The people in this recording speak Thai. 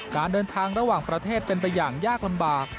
การเดินทางระหว่างประเทศเป็นไปอย่างยากลำบาก